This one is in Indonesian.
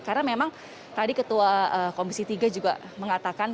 karena memang tadi ketua komisi tiga juga mengatakan